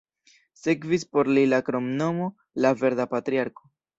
Sekvis por li la kromnomo "la Verda Patriarko".